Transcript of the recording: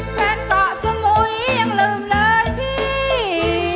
แฟนเกาะสมุยยังลืมเลยพี่